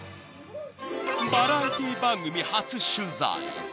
［バラエティー番組初取材］